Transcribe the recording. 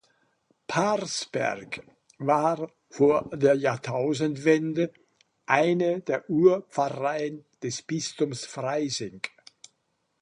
Parsberg war vor der Jahrtausendwende eine der Urpfarreien des Bistums Freising.